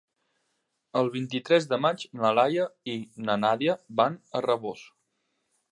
El vint-i-tres de maig na Laia i na Nàdia van a Rabós.